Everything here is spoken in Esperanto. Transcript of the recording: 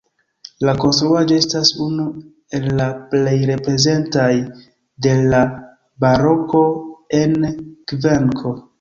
La konstruaĵo estas unu el la plej reprezentaj de la baroko en Kvenko.